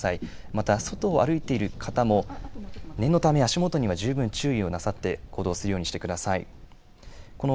また外を歩いている方も念のため、足元には十分注意をなさって行動するようにしてください。